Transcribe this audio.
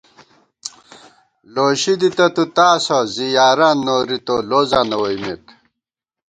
لوشی دِتہ تُوتاسہ، زی یاران نوری تو لوزاں نہ ووئیمېت